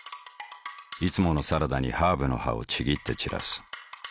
いつものサラダにハーブの葉をちぎって散らす。